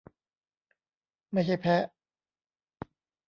ไม่ใช่แพะ